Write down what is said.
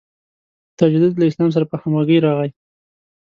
تجدد له اسلام سره په همغږۍ راغی.